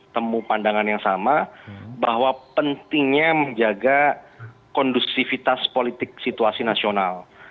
temu pandangan yang sama bahwa pentingnya menjaga kondusivitas politik situasi nasional